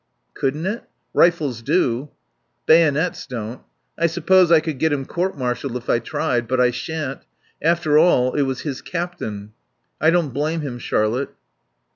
"Couldn't it? Rifles do." "Bayonets don't.... I suppose I could get him court martialed if I tried. But I shan't. After all, it was his captain. I don't blame him, Charlotte."